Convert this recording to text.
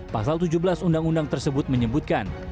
pasal tujuh belas undang undang tersebut menyebutkan